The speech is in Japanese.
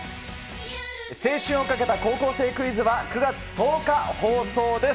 青春をかけた高校生クイズは９月１０日放送です。